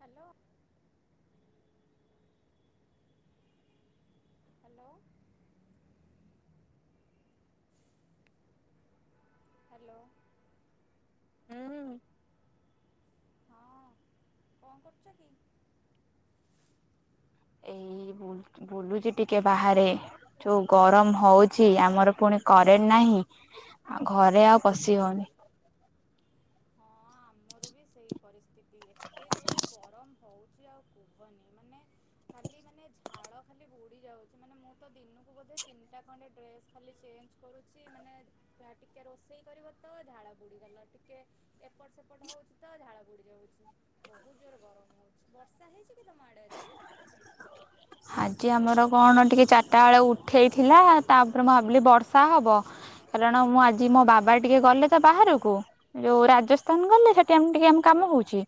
Hello. Hello. Hello. ହୁଁ। ହଁ କଣ କରୁଚ କି। ଏଇ ବୁଲ୍‌‌ଚି ବୁଲୁଚି ଟିକେ ବାହାରେ ଯୋଉ ଗରମ ହଉଛି ଆମର ପୁଣି କରେଣ୍ଟ ନାହିଁ ଆ ଘରେ ଆଉ ପଶି ହଉନି। ହଁ ଆମର ବି ସେଇ ପରିସ୍ଥିତି ଏତେ ଜୋରେ ଗରମ ହଉଛି ଆଉ କୁହନି ମାନେ ଖାଲି ମାନେ ଝାଳ ଖାଲି ବୁଡି ଯାଉଛି ମାନେ ମୁଁ ତ ଦିନକୁ ବୋଧେ ତିନିଟା ଖଣ୍ଡେ ଡ୍ରେସ୍ ଖାଲି ଚେଞ୍ଜ କରୁଛି ମାନେ ଯା ଟିକେ ରୋଷେଇ କରିବ ତ ଝାଳ ବୁଡ଼ିଗଲା ଟିକେ ଏପଟ ସେ ପଟ ହଉଛି ତ ଝାଳ ବୁଡି ଯାଉଛି ବହୁ ଜୋରେ ଗରମ ହଉଛି ବର୍ଷା ହେଇଛି କି ତମ ଆଡେ ଆଜି। ଆଜି ଆମର କଣ ଟିକେ ଚାରିଟା ବେଳେ ଉଠେଇଥିଲା ତାପରେ ମୁଁ ଭାବିଲି ବର୍ଷା ହବ କାରଣ ମୁଁ ଆଜି ମୋ ବାବା ଟିକେ ଗଲେ ତ ବାହାରକୁ ଯୋଉ ରାଜସ୍ଥାନ ଗଲେ ହେଠି ଆମ ଟିକେ କାମ ହଉଛି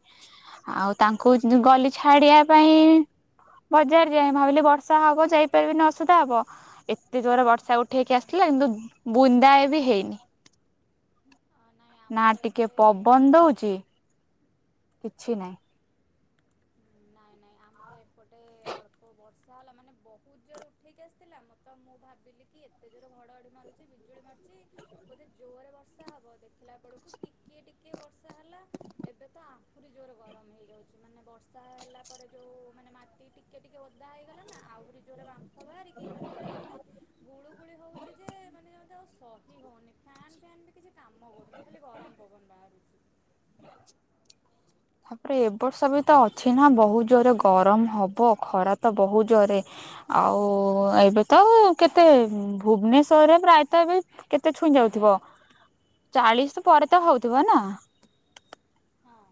ଆଉ ତାଙ୍କୁ ଗଲି ଛାଡିବା ପାଇଁ ବଜାର ଯେ ଭାବିଲି ବର୍ଷା ହବ ଯାଇପାରିବିନି ଅସୁବିଧା ହବ ଏତେ ଜୋରେ ବର୍ଷା ଉଠେଇକି ଆସିଲା କିନ୍ତୁ ବୁନ୍ଦା ଏ ବି ହେଇନି। ନାଇଁ ନା ଆମର ଟିକେ ଏପଟେ ପବନ ଦଉଚି କିଛି ନାଇଁ ନାଇଁ ନାଇଁ ଆମର ଏପଟେ ଅଳ୍ପ ବର୍ଷା ହେଲା ମାନେ ବହୁତ ଜୋରେ ଉଠେଇକି ଆସିଥିଲା ମତ ମୁଁ ଭାବିଲି କି ଏତେ ଜୋର ଘଡଘଡି ମାରୁଛି ବିଜୁଳି ମାରୁଛି ବୋଧେ ଜୋରେ ବର୍ଷା ହବ ଦେଖି ଖିଲା ବେଳକୁ ଟିକେ ଟିକେ ଟିକେ ବର୍ଷା ହେଲା ଏବେ ତ ଆହୁରି ଜୋର ଗରମ ହେଇଯାଉଛି ମାନେ ବର୍ଷା ହେଲା [unintelligible] ଯୋଉ ମାନେ ମାଟି ଟିକେ ଟିକେ ଓଦା ହେଇଗଲା ନା ଆହୁରି ଜୋରେ ବା [unintelligible] ବାହାରିକି ମାନେ ପୁରା ଯେମିତି ଗୁଳୁ ଗୁଳି ହେଉଛି ଯେ ମାନେ ଯେମିତି ଆଉ ସହି ହଉନି ଫ୍ୟାନ୍ ଫ୍ୟାନ୍ ବି କିଛି କାମ କରୁନି ଖାଲି ଗରମ ପବନ ବାହାରୁଛି। ତାପରେ ଏ ବର୍ଷ ବି ତ ଅଛି ନା ବହୁତ ଜୋରେ ଗରମ ହବ ଖରା ତ ବହୁ ଜୋରେ ଆଉ ଏବେ ତ କେତେ ଭୁବେନେଶ୍ୱର ରେ ପ୍ରାୟତଃ ଏବେ କେତେ ଛୁଇଁ ଯାଉଥିବ ଚାଳିଶ ପରେ ତ ହଉଥିବ ନା। ହଁ।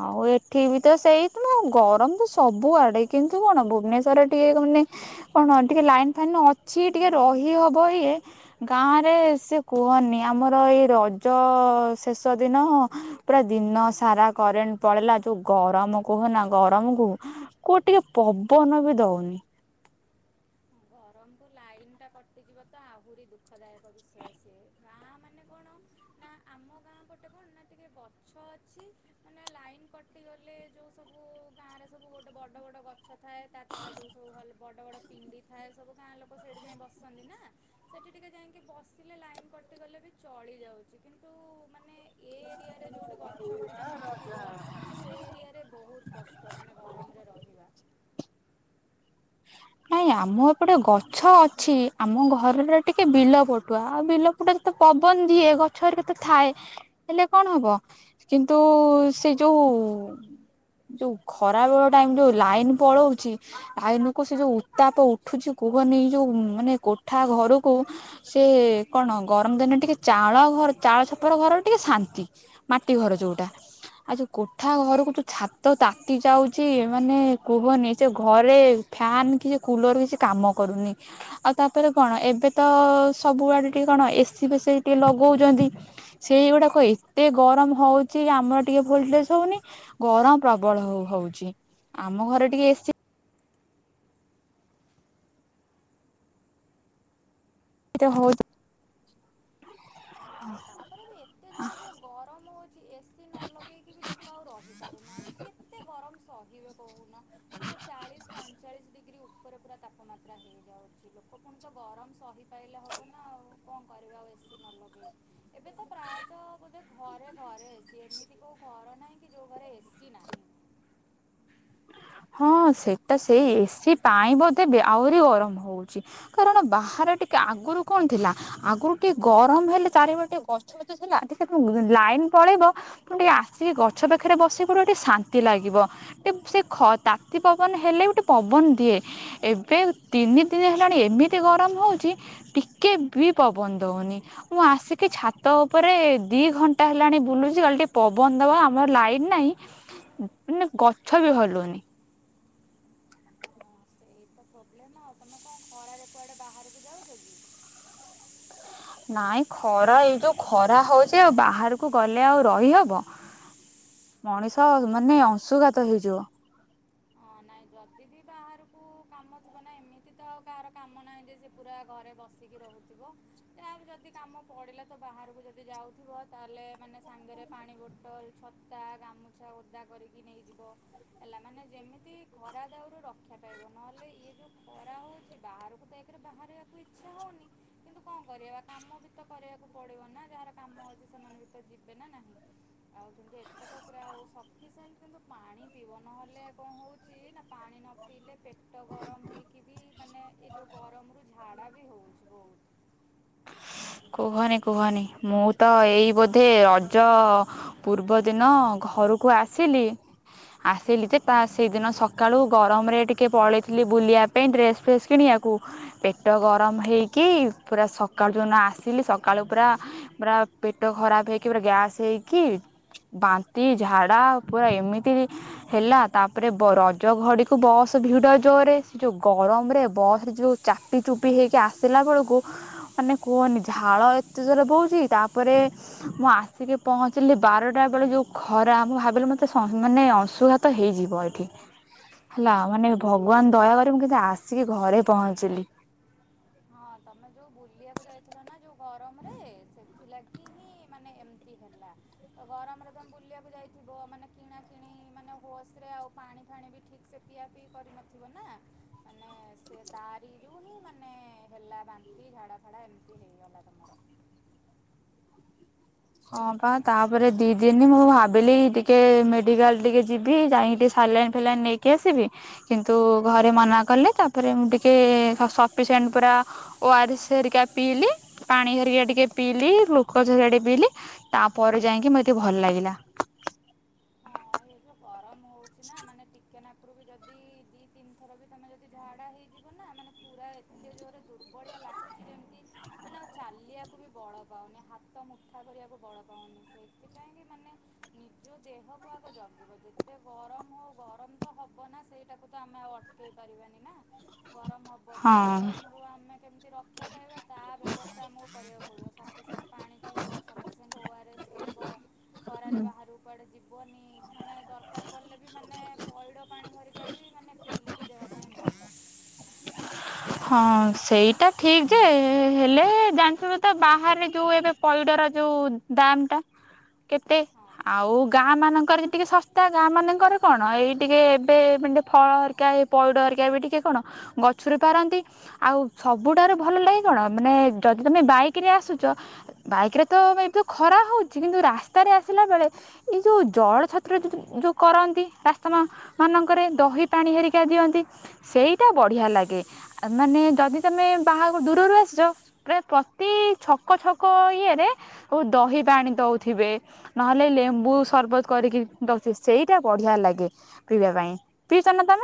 ଆଉ ଏଠି ବି ତ ସେଇ [unintelligible] ଗରମ ତ ସବୁଆଡେ କିନ୍ତୁ କଣ ଭୁବନେଶ୍ଵରରେ ଟିକେ ମାନେ କଣ ଟିକେ ଲାଇନ ଫାଇନ୍ ଅଛି ଟିକେ ରହିହବ ଇଏ ଗାଁ ରେ ସେ କୁହନି ଆମର ଏଇ ରଜ ଅ ଶେଷ ଦିନ ପୁରା ଦିନ ସାରା କରେଣ୍ଟ ପଳେଇଲା ଯୋଉ ଗରମ କୁହନା ଗରମକୁ କୁ ଟିକେ ପବନ ବି ଦଉନି। ଗରମ୍ କୁ ଲାଇନ ଟା କଟିଯିବ ତ ଆହୁରି ଦୁଃଖଦାୟକ ବିଷୟ ସିଏ ଗାଁ ମାନେ କଣ ନା ଆମ ଗାଁ ଗୋଟେ କଣ ନା ଟିକେ ଗଛ ଅଛି ମାନେ ଲାଇନ କଟି ଗଲେ ଯୋଉ ସବୁ ଗାଁ ରେ ସବୁ ଗୋଟେ ବଡ ବଡ଼ ଗଛ ଥାଏ ତା ତଳେ ଯୋଉ ସବୁ ଭଲ୍‌ ବଡ଼ ବଡ଼ ପିଣ୍ଡି ଥାଏ ସବୁ ଗାଁ ଲୋକ ସେଇଠି ଯାଇ ବସନ୍ତି ନା ସେଇଠି ଟିକେ ଯାଇକି ବସିଲେ ଲାଇନ୍ କଟିଗଲେ ବି ଚଳିଯାଉଛି କିନ୍ତୁ ମାନେ ଏ ଏରିଆରେ ଯୋଉଠି ଗଛ [unintelligible] ନଥିବ ସେ ଏରିଆରେ ବହୁତ କଷ୍ଟ ମାନେ ଗରମରେ ରହିବା। ନାଇଁ ଆମ ଏପଟେ ଗଛ ଅଛି ଆମ ଘରଟା ଟିକେ ବିଲ ପଟୁଆ ଆଉ ବିଲ ପଟୁଆ ରେ ତ ପବନ ଦିଏ ଗଛରେ ହେରୀକା ତ ଥାଏ ହେଲେ କଣ ହବ କିନ୍ତୁ ସେ ଯୋଉ ଯୋଉ ଖରା ବେଳ ଟାଇମ ଯୋଉ ଲାଇନ ପଳଉଛି ଲାଇନ କୁ ସେ ଯୋଉ ଉତ୍ତାପ ଉଠୁଛି କୁହନି ଯୋଉ ମାନେ କୋଠା ଘରକୁ ସେ କଣ ଗରମ ଦିନରେ ଟିକେ ଚାଳ ଘର ଚାଳ ଛପର ଘର ଟିକେ ଶାନ୍ତି ମାଟି ଘର ଯୋଉଟା ଆଉ ଯୋଉ କୋଠା ଘରକୁ ଯୋଉ ଛାତ ତାତି ଯାଉଛି ମାନେ କୁହନି ସେ ଘରେ ଫ୍ୟାନ କିଛି କୁଲର କିଛି କାମ କରୁନି ଆଉ ତାପରେ କଣ ଏବେ ତ ଅ ସବୁଆଡେ ଟିକେ କଣ ଏସିି ଫେସି ଟିକେ ଲଗଉଚନ୍ତି ସେଇଗୁଡାକ ଏତେ ଗରମ ହଉଛି ଆମର ଟିକେ ଭୋଲଟେଜ ହଉନି ଗରମ ପ୍ରବଳ ହ ହଉଛି ଆମ ଘରେ ଟିକେ ଏସିି [unintelligible] ଆପରେ ବି ଏତେ ଜୋର ଯୋଉ ଗରମ ହଉଛି ଏସିି ନ ଲଗେଇକି ବି ଲୋକ ଆଉ ରହିପାରୁନାହାନ୍ତି କେତେ ଗରମ୍ ସ ଇବା କହୁନ ମାନେ ଚାଳିଶ ପଇଁଚାଳିଶ ଡିଗ୍ରୀ ଉପରେ ପୁରା ତାପମାତ୍ରା ହେଇଯାଉଛି ଲୋକ ପୁଣି ତ ଗରମ ସହିପଲେ ହବ ନା ଆଉ କଣ କରିବେ ଆଉ ଏସିି ନଲଗେଇ [unintelligible] ଘରେ ଘରେ ଏସି ଏମିତି କୋଉ କର ନାହିଁ କି ଯୋଉ ଘରେ ଏସି ନାହିଁ। ହଁ ସେଇଟା ସେଇ ଏସି ପାଇଁ ବୋଧେ ବେ ଆହୁରି ଗରମ ହଉଛି କାରଣ ବାହାରେ ଟିକେ ଆଗରୁ କଣ ଥିଲା ଆଗରୁ ଟି ଗରମ ହେଲେ ଚାରି ବଟେ ଟିକେ ଗଛ ଗଛ ଥିଲା ଟିକେ ଲାଇନ ପଳେଇବ ତୁ ଟିକେ ଆସିକି ଗଛ ପାଖରେ ବସ ପଡ ଟିକେ ଶାନ୍ତି ଲାଗିବ ଟିକେ ସେ ଖ ତାତି ପବନ ହେଲେ ଗଟେ ପବନ ଦିଏ ଏବେ ତିନି ଦିନ ହେଲାଣି ଏମିତି ଗରମ ହେଉଛି ଟିକେ ବି ପବନ ଦେଉନି ମୁଁ ଆସିକି ଛାତ ଉପରେ ଦିଇ ଘଣ୍ଟା ହେଲାଣି ବୁଲୁଛି ଅଲଟି ପବନ ଦେବା ଆମର ଲାଇନ୍‌ ନାହିଁ ମ ଗଛ ବି ହଲୁନି। ଏଇତ ପ୍ରୋବ୍ଲେମ। ଆଉ ତମେ କଣ କରୁଛ? କୁଆଡେ ବାହାରକୁ ଯାଉଛ କି? ନାହିଁ, ଏଇ ଯେ ଖରା ହେଉଛି, ବାହାରକୁ ଗଲେ ରହିପାରିବ ନାହିଁ, ନାଇଁ ମଣିଷମାନେ ଅଂଶୁଘାତ ହୋଇଯିବେ। କାମ ପଡ଼ିଲା ତ ବାହାରକୁ ଯଦି ଯାଉଥିବ, ତାହେଲେ ସାଙ୍ଗରେ ପାଣି ବୋତଲ, ଛତା ଏବଂ ଗାମୁଛାକୁ ଓଦା କରି ନେଇଯିବ। ଏମିତି କଲେ ଖରାରେ ମଧ୍ୟ ଶରୀର ଠଣ୍ଡା ରହିବ ଏବଂ ଅସୁବିଧା ହେବ ନାହିଁ। ଖରା ଦାଉରୁ ରକ୍ଷା ପାଇବା ପାଇଁ ସବୁବେଳେ ସତର୍କ ରୁହନ୍ତୁ। ବାହାରକୁ ଯିବାବେଳେ ପାଣି ବୋତଲ ଛତା କିମ୍ବା ଟୋପି ସାଙ୍ଗରେ ନେଇଯାଆନ୍ତୁ। କାମ କରିବାକୁ ପଡ଼ିବ ନା। ଯାହାର କାମ ଅଛି, ସେମାନେ ତ ବାହାରକୁ ଯିବେ। କିନ୍ତୁ ସତର୍କତା ଅବଲମ୍ବନ କରିବା ଜରୁରୀ। ନିୟମିତ ପାଣି ପିଅନ୍ତୁ ନହେଲେ ଶରୀରରେ ପାଣିର ଅଭାବ ହୋଇ ଅସୁସ୍ଥ ହୋଇପାରନ୍ତି। ପାଣି ନ ପିଇଲେ ଶରୀରରେ ପାଣିର ଅଭାବ ହୋଇପାରେ, ପେଟ ଗରମ ଲାଗିପାରେ ଏବଂ ଦୁର୍ବଳତା ଅନୁଭବ ହୋଇପାରେ। ସେଥିପାଇଁ ନିୟମିତ ପରିମାଣରେ ପାଣି ପିଅନ୍ତୁ। ମାନେ ଏହି ଗରମ ସମୟରେ ନିଜ ସ୍ୱାସ୍ଥ୍ୟର ବିଶେଷ ଯତ୍ନ ନେବା ଆବଶ୍ୟକ। ଅଧିକ ଖରାରେ ବାହାରକୁ ଯିବାକୁ ପଡ଼ିଲେ ନିଶ୍ଚୟ ସତର୍କତା ଅବଲମ୍ବନ କରନ୍ତୁ। କୁହନି କୁହନି ମୁଁ ତ ଏଇ ବୋଧେ। ରଜ ପୂର୍ବଦିନ ମୁଁ ଘରକୁ ଆସିଥିଲି। ସେହିଦିନ ସକାଳୁ ଗରମ ଟିକେ କମ୍ ଥିବାରୁ ବୁଲିବାକୁ ବାହାରିଥିଲି ଏବଂ ରଜ ପାଇଁ କିଛି ନୂଆ ଡ୍ରେସ୍ ଓ ଅନ୍ୟାନ୍ୟ ଜିନିଷ କିଣିଥିଲି। ତାପରେ ହଠାତ୍ ମୋର ପେଟ ବହୁତ ଖରାପ ହୋଇଗଲା। ଗ୍ୟାସ୍, ବାନ୍ତି ଏବଂ ଝାଡ଼ା ହେବାରୁ ଶରୀର ପୂରା ଦୁର୍ବଳ ହୋଇଯାଇଥିଲା। ଏହାର ମଧ୍ୟରେ ରଜ ସମୟ ଥିବାରୁ ବସ୍‌ରେ ବହୁତ ଭିଡ଼ ଥିଲା, ଆଉ ସେହି ପ୍ରଚଣ୍ଡ ଗରମରେ ବସ୍‌ରେ ଯାତ୍ରା କରିବା ମଧ୍ୟ ବହୁତ କଷ୍ଟକର ହୋଇପଡ଼ିଥିଲା। ବସ୍‌ରେ ଭୟଙ୍କର ଭିଡ଼ ଥିଲା। ତାପରେ ମୁଁ କଷ୍ଟକର ଭାବରେ ଆସି ପ୍ରାୟ ବାରଟା ବେଳେ ଘରେ ପହଞ୍ଚିଲି। ସେତେବେଳେ ଖରା ଏତେ ଜୋର ଥିଲା ଯେ ମୋତେ ଲାଗୁଥିଲା ହିଟ୍‌ଷ୍ଟ୍ରୋକ୍ ଅଂଶୁଘାତ ହୋଇଯିବ। ଭଗବାନଙ୍କ ଦୟାରୁ କିଛି ହେଲା ନାହିଁ। ଆଉ ମୁଁ ସୁରକ୍ଷିତ ଭାବରେ ଘରେ ପହଞ୍ଚିଗଲି। ଚିଲି ହଁ ତମେ ଯୋଉ ବୁଲିବାକୁ ଯାଇଥିଲ ନା ଯୋଉ ଗରମରେ ସେଥିପାଇଁ ହିଁ ଏମିତି ହୋଇଥିବ। ତୁମେ ବୁଲିବାକୁ ଯାଇଥିଲ। କିଣାକିଣିରେ ବ୍ୟସ୍ତ ଥିବ। ଆଉ ବୋଧହୁଏ ଠିକ୍ ଭାବରେ ପାଣି ମଧ୍ୟ ପିଇନଥିବ। ସେଇ କାରଣରୁ ହିଁ ଏମିତି ହୋଇଥିବ ବୋଲି ମୋର ଲାଗୁଛି। ହେଲା ବାନ୍ତି, ଝାଡ଼ା ଫାଡ଼ା ଏମିତି ହୋଇଗଲା ତମର। ହଁ, ତାପରେ ଦୁଇ ଦିନ ଧରି ମୁଁ ଭାବିଲି ଟିକେ ମେଡିକାଲକୁ ଯାଇ ସାଲାଇନ୍ ନେଇ ଆସିବି। କିନ୍ତୁ ଘରେ ମନା କଲେ। ସେଥିପାଇଁ ମୁଁ ପର୍ଯ୍ୟାପ୍ତ ପରିମାଣରେ ଓ ଆର୍ ଏସ୍ ପିଇଲି ପାଣି ଅଧିକ ପିଇଲି ଏବଂ ଗ୍ଲୁକୋଜ୍ ମଧ୍ୟ ପିଇଲି। ତାପରେ ଯାଇକି ମତେ ଭଲ ଲାଗିଲା। ହଁ ଏ [inaudible] ତାଠାରୁ ବି ଯଦି ଦିଇ ତିନି ଥର ଝାଡ଼ା ହୋଇଯାଏ, ତାହେଲେ ଏତେ ଦୁର୍ବଳ ଲାଗେ ଯେ ଠିକ୍‌ ଭାବେ ଚାଲିବାକୁ ମଧ୍ୟ ବଳ ପାଏ ନାହିଁ। ହାତ ମୁଠା କରିବାକୁ ମଧ୍ୟ ଶକ୍ତି ରହେନାହିଁ। ସେଥିପାଇଁ ନିଜ ଦେହକୁ ଆଗ ଯତ ଯେତେ ଗରମ ହେଉ, ଗରମ ତ ହେବ ନା। ସେଇଟାକୁ ଆମେ ଅଟକାଇ ପାରିବା ନାହିଁ। ଗରମ ହେବ ତ ହେବ। କିନ୍ତୁ ହଁ ଗରମରୁ ନିଜକୁ କେମିତି ରକ୍ଷା କରିବା, ସେଥିପାଇଁ ଆମକୁ ନିଜେ ବ୍ୟବସ୍ଥା କରିବାକୁ ପଡ଼ିବ। ପର୍ଯ୍ୟାପ୍ତ ପାଣି ପିଅନ୍ତୁ, ଆବଶ୍ୟକ ହେଲେ ଓ ଆର୍ ଏସ୍ ପିଅନ୍ତୁ, ଏବଂ ପ୍ରଚଣ୍ଡ ଖରା ବେଳେ ଅନାବଶ୍ୟକ ଭାବେ ବାହାରକୁ ଯାଆନ୍ତୁ ନାହିଁ। କୁହନି ମାନେ ଦରକାର ପଡ଼ିଲେ ବି ବାହାରକୁ ବାହାରନ୍ତୁ ନାହିଁ। ପାଣି ଭରିକା ବି ମନେ ପିଲେ ବି ଦେହ ପାଇଁ ଭଲ। ହଁ ସେଇଟା ଠିକ୍ ଯେ, ହେଲେ ତୁମେ ଜାଣିଛ ନା? ତ ବାହାରେ ଏବେ ପଇଡ଼ର ଦାମ କେତେ ହଁ ଅଛି? ଗାଁମାନଙ୍କରେ ଟିକେ ଶସ୍ତା ମିଳେ। ଏବେ ଫଳ ଓ ପଇଡ଼ଗୁଡ଼ିକ ସିଧା ଗଛରୁ ତୋଳି ବିକ୍ରି କରୁଛନ୍ତି। ପାରନ୍ତି। ଆଉ ସବୁଠାରୁ ଭଲ ଲାଗେ କଣ ଜାଣ? ଯଦି ତୁମେ ବାଇକ୍‌ରେ ଆସୁଛ, ଏବେ ଖରା ବହୁତ ଥାଏ। ରାସ୍ତାରେ ଆସୁଥିବା ବେଳେ ବିଭିନ୍ନ ସ୍ଥାନରେ ଜଳଛତ୍ର କରି ଦହିପାଣି, ପାଣି ଓ ଶରବତ ହଁ ବଣ୍ଟନ କରନ୍ତି। ସେଇଟା ସତରେ ବହୁତ ଭଲ ଲାଗେ। ମାନେ ଯଦି ତୁମେ ବାହାରକୁ ଦୂରରୁ ଆସିଛ, ପ୍ରାୟ ପ୍ରତ୍ୟେକ ଛକରେ ଦହିପାଣି କିମ୍ବା ଲେମ୍ବୁ ଶରବତ କରି ସମସ୍ତଙ୍କୁ ପିଇବା ପାଇଁ ଦେଉଥାନ୍ତି। ସେଇଟା ପିଇବାକୁ ବହୁତ ଭଲ ଲାଗେ। ତୁମେ କେବେ ପିଇଛ ନା?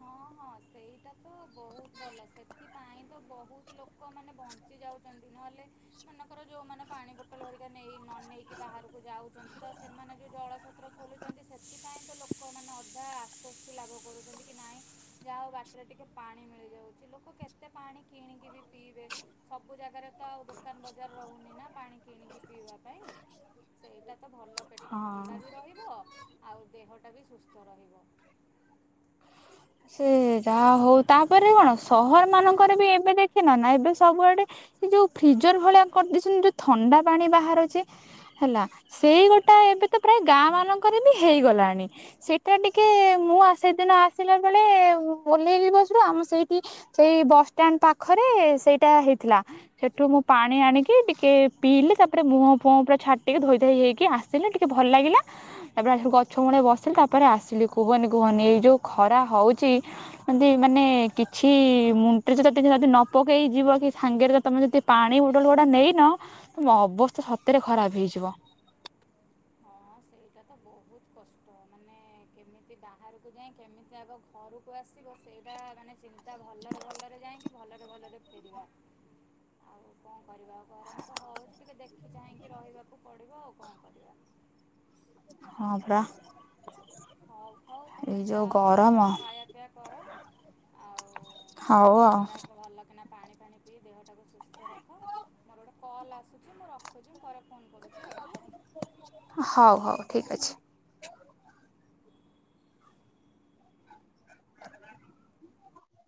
ହଁ ହଁ, ସେଇଟା ତ ବହୁତ ଭଲ। ସେଥିପାଇଁ ଅନେକ ଲୋକ ଉପକୃତ ହେଉଛନ୍ତି। ଯେଉଁମାନେ ପାଣି ବୋତଲ ସାଙ୍ଗରେ ନେଇ ବାହାରକୁ ଯାଇନଥାନ୍ତି, ସେମାନଙ୍କ ପାଇଁ ଏହି ଜଳଛତ୍ର ବହୁତ ସାହାଯ୍ୟକାରୀ ହୁଏ। ସେଠାରେ ପାଣି, ଦହିପାଣି କିମ୍ବା ଲେମ୍ବୁ ଶରବତ ପିଇ ଲୋକମାନେ ବହୁତ ଆଶ୍ୱସ୍ତି ଓ ଆରାମ ଅନୁଭବ କରନ୍ତି। ଯାହା ହେଉ, ବାଟରେ ଟିକେ ପାଣି ମିଳିଯାଉଛି, ସେଇଟା ହିଁ ବଡ଼ କଥା। ଲୋକମାନେ କେତେ ବା ପାଣି କିଣିକି ପିଇବେ? ସବୁ ଜାଗାରେ ଦୋକାନ ବଜାର ମଧ୍ୟ ନଥାଏ। ସେଥିପାଇଁ ବାଟରେ ଜଳଛତ୍ରରେ ମିଳୁଥିବା ପାଣି ଓ ଶରବତ ଯାତ୍ରୀମାନଙ୍କ ପାଇଁ ବହୁତ ଉପକାରୀ ହୁଏ। ତ ଭଲ ପେଟ ଥଣ୍ଡା ହଁ ବି ରହିବ। ଆଉ ଦେହଟା ବି ସୁସ୍ଥ ରହିବ। ସେ ଯାହା ହେଉ, ଏବେ ସହରମାନଙ୍କରେ ମଧ୍ୟ ଦେଖୁଛ ନା? ସବୁଆଡେ ଫ୍ରିଜ୍‌ ଭଳି ଥଣ୍ଡା ପାଣି ମିଳୁଥିବା ପାଣି ବଣ୍ଟନ ମେସିନ୍‌ ଲଗାଇ ଦେଇଛନ୍ତି। ସେଠାରୁ ଲୋକମାନେ ସହଜରେ ଥଣ୍ଡା ପାଣି ପିଇପାରୁଛନ୍ତି। ସେଇ ହଁ। ଗୋଟାଏ ଏବେ ତ ପ୍ରାୟ ଗାଁ ବାଲାଙ୍କର ବି ହେଇଗଲା ଲାଇନ ସେଦିନ ଟିକେ ମୁଁ ସେଦିନ ଆସି ଆସିଲା ବେଳେ ଓହ୍ଲେଇଲି ବସରୁ ଆଉ ସେଇଠି ସେ ବସ ଷ୍ଟାଣ୍ଡ ପାଖରେ ସେଇଟା ହେଇଥିଲା ହେଠୁ ମୁଁ ପାଣି ଆଣିକି ଟିକେ ପିଇଲି, ତାପରେ ମୁହଁ ଫୁହଁ ପୁରା ଛାଟିକି ଧୋଇଧାଇ ହେଇକି ଆସିଲି ଟିକେ ଭଲଲାଗିଲା ତାପରେ ହେଠୁ ଗଛ ମୂଳେ ଆସିକି ବସିଲି ତାପରେ ଆସିଲି କୁହନି କୁହନି ଏଇ ଜଉ ଖରା ହଉଛି ଜିନ୍ତି ମାନେ କିଛି ମୁଣ୍ଡରେ ଯଦି ନପକେଇକି ଯିବକି ସାଙ୍ଗରେ ଯଦି ପାଣି ବୋତଲ ନେଇନ ତୁମ ଅବସ୍ଥା ସତରେ ଖରାପ ହେଇଯିବ। ହଁ ସେଇଟା ତ ବହୁତ କଷ୍ଟକର କଥା ନା। କେମିତି ବାହାରକୁ ଯାଇ ସୁରକ୍ଷିତଭାବେ ପୁଣି ଘରକୁ ଫେରିବା, ସେଇଟା ନେଇ ଭଲଭାବେ ଚିନ୍ତା କରିବାକୁ ପଡ଼େ। ଶାନ୍ତିରେ ଯାଇ ଶାନ୍ତିରେ ଫେରିବାକୁ ପଡ଼େ। ଆଉ କଣ କରିବା? ବାକି ତ ଆରାମରେ ଦେଖି ଚାହିଁ ରହିବାକୁ ପଡ଼େ। ହଁ ପରା। ହଉ ହଉ ତମେ ଏଇ ଯୋଉ ଯାଅ ଗରମ କଣ ଖାଇବା ପିଇବା କର ଆଉ ହଉ ଟିକେ ଆଉ ଥଣ୍ଡା ଭଲ କିନା ପାଣି। ପାାଣି ପିଇ ଦେହଟାକୁ ସୁସ୍ଥ ରଖ‌। ଗୋଟେ କଲ୍ ଆସୁଛି ମୁଁ ରଖୁଛି ମୁ। ହଉ ହଉ ଠିକ ଅଛି। [unintelligible]